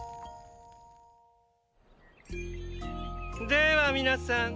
では皆さん！